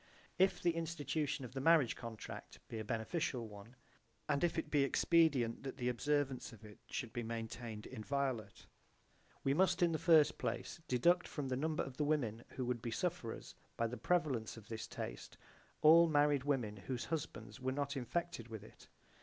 If the institution of the marriage contract be a beneficial one, and if it be expedient that the observance of it should be maintained inviolate, we must in the first place deduct from the number of the women who would be sufferers by the prevalence of this taste all married women whose husbands were not infected with it.